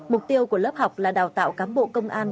mục tiêu của lớp học là đào tạo cán bộ công an